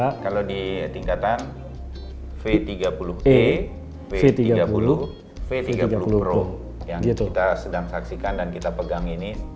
jadi kalau di tingkatan v tiga puluh e v tiga puluh v tiga puluh pro yang kita sedang saksikan dan kita pegang ini